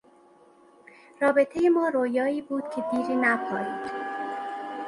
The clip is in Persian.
رابطهی ما رویایی بود که دیری نپایید.